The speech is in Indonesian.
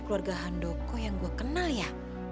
keluarga handoko yang gue kenal ya